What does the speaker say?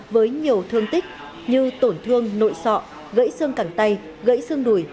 với nhiều thương tích như tổn thương nội sọ gãy xương cẳng tay gãy xương đùi